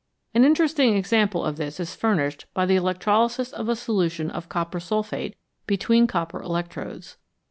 An interesting example of this is furnished by the electrolysis of a solution of copper sulphate between copper electrodes.